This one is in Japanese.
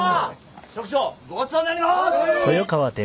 職長ごちそうになります。